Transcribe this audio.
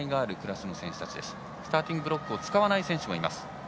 スターティングブロックを使わない選手もいます。